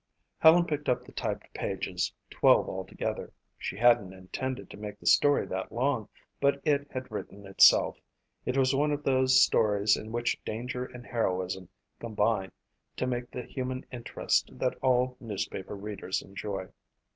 Helen picked up the typed pages, 12 altogether. She hadn't intended to make the story that long but it had written itself, it was one of those stories in which danger and heroism combine to make the human interest that all newspaper readers enjoy.